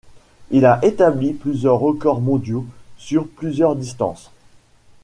Il a établi plusieurs records mondiaux, sur plusieurs distances.